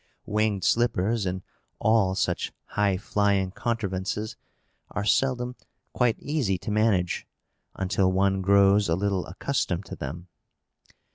Winged slippers, and all such high flying contrivances, are seldom quite easy to manage until one grows a little accustomed to them.